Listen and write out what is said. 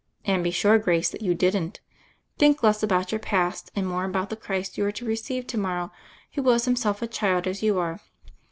"And be sure, Grace, that you didn't. Think less about your past, and more about the Christ you are to receive to morrow who was Him self a child as you are.